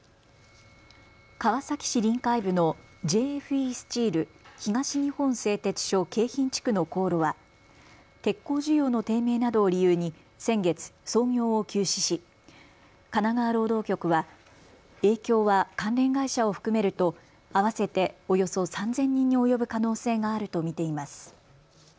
川崎市臨海部のＪＦＥスチール東日本製鉄所京浜地区の高炉は鉄鋼需要の低迷などを理由に先月、操業を休止し神奈川労働局は影響は関連会社を含めると合わせておよそ３０００人に及ぶ可能性があると見ています。